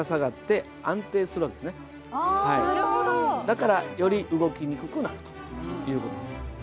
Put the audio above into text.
だからより動きにくくなるという事です。